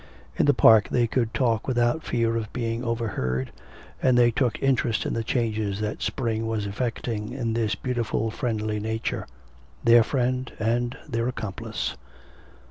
In the park they could talk without fear of being overheard, and they took interest in the changes that spring was effecting in this beautiful friendly nature their friend and their accomplice.